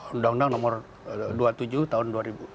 undang undang nomor dua puluh tujuh tahun dua ribu dua